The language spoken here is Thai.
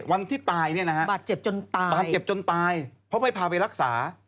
วันที่ตายบาดเจ็บจนตายเพราะไม่พาไปรักษา